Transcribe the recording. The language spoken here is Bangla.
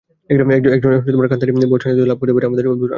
একজন খানদানি বুয়ার সান্নিধ্য লাভ করতে পেরে আমাদের অদ্ভুত আনন্দ হতে থাকে।